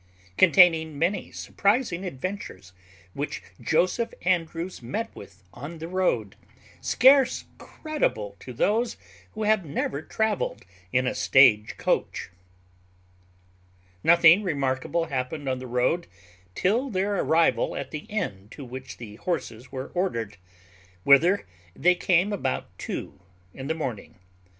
_Containing many surprizing adventures which Joseph Andrews met with on the road, scarce credible to those who have never travelled in a stage coach._ Nothing remarkable happened on the road till their arrival at the inn to which the horses were ordered; whither they came about two in the morning.